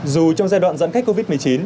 dù trong giai đoạn giãn cách covid một mươi chín